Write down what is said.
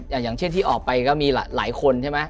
อย่างเช่นที่ออกไปก็มีหลายคนใช่ไหม